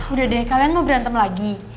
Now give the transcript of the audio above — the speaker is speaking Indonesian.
udah deh kalian mau berantem lagi